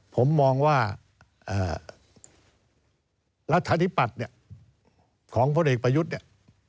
ผมมองว่ารัฐาธิปัตย์เนี่ยของพลเอกประยุทธ์เนี่ย